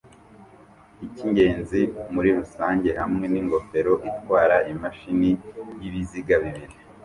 Icyingenzi muri rusange hamwe n'ingofero itwara imashini yibiziga bibiri